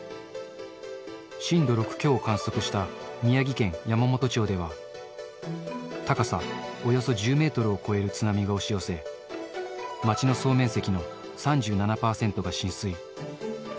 震度６強を観測した宮城県山元町では、高さおよそ１０メートルを超える津波が押し寄せ、町の総面積の３７％が浸水。